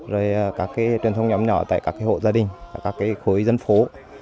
rồi các truyền thông nhóm nhỏ tại các hộ gia đình các khối dân phố